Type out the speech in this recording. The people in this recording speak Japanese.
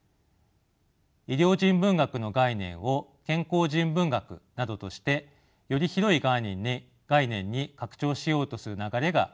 医療人文学の概念を健康人文学などとしてより広い概念に拡張しようとする流れが同時にもたらされています。